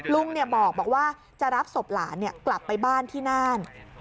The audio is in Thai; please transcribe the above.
ลุงบอกว่าจะรับศพหลานกลับไปบ้านที่น่าน